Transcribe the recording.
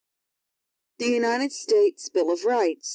The United States Bill of Rights.